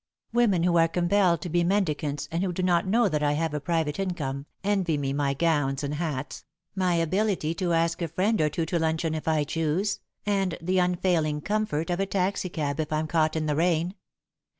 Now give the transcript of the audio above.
"Women who are compelled to be mendicants and who do not know that I have a private income, envy me my gowns and hats, my ability to ask a friend or two to luncheon if I choose, and the unfailing comfort of a taxicab if I'm caught in the rain.